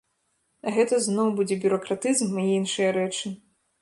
А гэта ізноў будзе бюракратызм і іншыя рэчы.